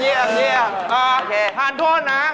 เยี่ยมมาตอนนี้เข้าทอนนะ